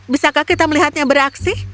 bisakah kita melihatnya beraksi